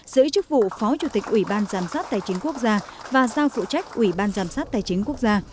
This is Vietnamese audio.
giữ chức vụ phó chủ tịch ủy ban giám sát tài chính quốc gia và giao phụ trách ủy ban giám sát tài chính quốc gia